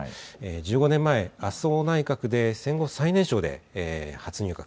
１５年前、麻生内閣で戦後最年少で初入閣。